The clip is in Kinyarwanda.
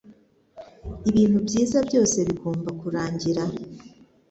Ibintu byiza byose bigomba kurangira.